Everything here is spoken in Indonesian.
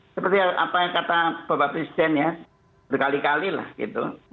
seperti apa kata bapak presiden ya berkali kali lah gitu